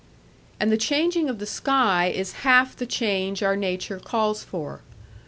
And the changing of the sky is half the change our nature calls for.